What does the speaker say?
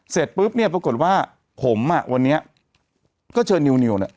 เสร็จปุ๊บเนี่ยปรากฏว่าผมอ่ะวันนี้ก็เชิญนิวเนี่ย